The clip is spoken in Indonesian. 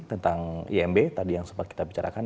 tentang imb tadi yang sempat kita bicarakan